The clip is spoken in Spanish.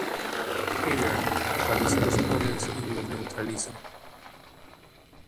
Heidern localiza los clones y los neutraliza.